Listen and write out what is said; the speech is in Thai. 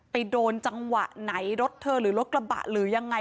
ไปโดนจังหวะไหนรถเธอหรือรถกระบะหรือยังไง